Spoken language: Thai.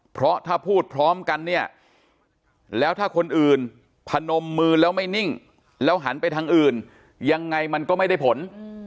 เพราะถ้าพูดพร้อมกันเนี่ยแล้วถ้าคนอื่นพนมมือแล้วไม่นิ่งแล้วหันไปทางอื่นยังไงมันก็ไม่ได้ผล